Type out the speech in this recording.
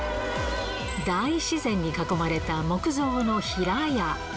大自然に囲まれた木造の平屋。